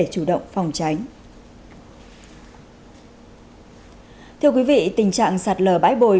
thưa quý vị tình trạng sạt lở bãi bồi